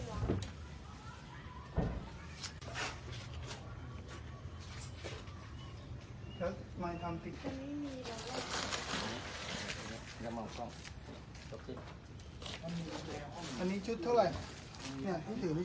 สวัสดีครับทุกคน